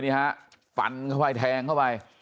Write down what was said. นี่ฮะฟันเข้าไปแทงเข้าไป